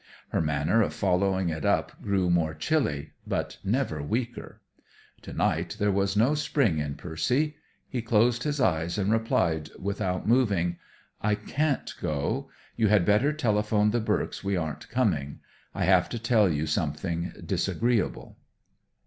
Her manner of following it up grew more chilly, but never weaker. To night there was no spring in Percy. He closed his eyes and replied without moving: "I can't go. You had better telephone the Burks we aren't coming. I have to tell you something disagreeable."